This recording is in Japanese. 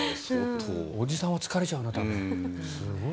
おじさんは疲れちゃうな。